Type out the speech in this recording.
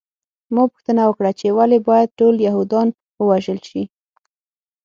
ما پوښتنه وکړه چې ولې باید ټول یهودان ووژل شي